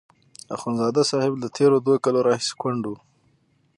اخندزاده صاحب له تېرو دوو کالو راهیسې کونډ وو.